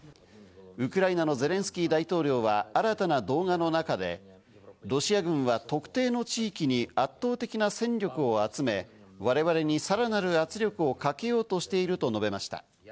ウクライナのゼレンスキー大統領は新たな動画の中で、ロシア軍は特定の地域に圧倒的な戦力を集め、我々にさらなる圧力をかけようとしていると述べました。